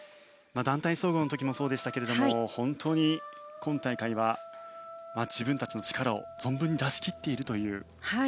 団体総合の時もそうでしたけども本当に今大会は自分たちの力を存分に出し切っているという。